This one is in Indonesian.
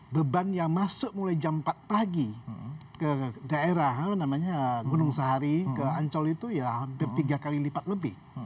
beban yang masuk mulai jam empat pagi ke daerah gunung sahari ke ancol itu ya hampir tiga kali lipat lebih